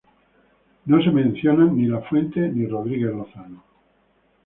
Ni Lafuente ni Rodríguez Lozano son mencionados.